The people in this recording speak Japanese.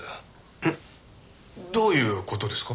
えっ？どういう事ですか？